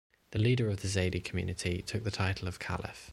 The leader of the Zaidi community took the title of Caliph.